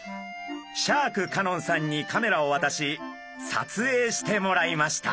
シャーク香音さんにカメラをわたし撮影してもらいました。